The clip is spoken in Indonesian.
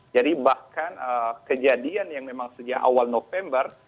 jadi bahkan kejadian yang memang sejak awal november